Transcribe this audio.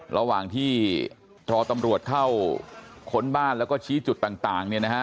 ระหว่างที่รอตำรวจเข้าค้นบ้านแล้วก็ชี้จุดต่างเนี่ยนะฮะ